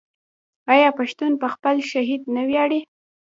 آیا پښتون په خپل شهید نه ویاړي؟